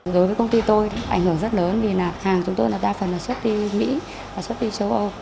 đối với công ty tôi ảnh hưởng rất lớn vì hàng chúng tôi đa phần xuất đi mỹ và xuất đi châu âu